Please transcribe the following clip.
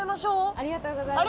ありがとうございます。